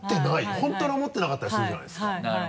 本当に思ってなかったりするじゃないですか。